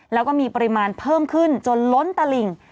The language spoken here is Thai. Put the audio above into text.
แล้วก็มีปริมาณเพิ่มขึ้นจนล้นตลิ่ง